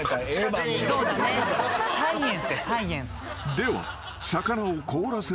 ［では］